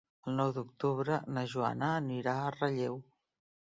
El nou d'octubre na Joana anirà a Relleu.